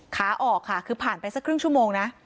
ขาออกค่ะคือผ่านไปสักครึ่งชั่วโมงนะ